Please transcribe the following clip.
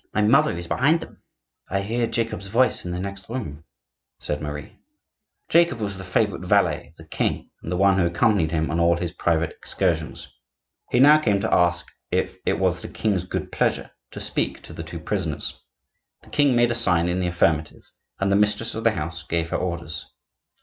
My mother is behind them." "I hear Jacob's voice in the next room," said Marie. Jacob was the favorite valet of the king, and the one who accompanied him on all his private excursions. He now came to ask if it was the king's good pleasure to speak to the two prisoners. The king made a sign in the affirmative, and the mistress of the house gave her orders.